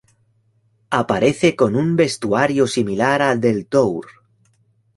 Aparece con un vestuario similar al del tour.